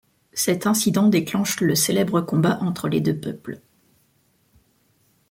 Cet incident déclenche le célèbre combat entre les deux peuples.